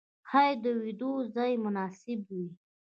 ښايې د ويدېدو ځای مناسب وي.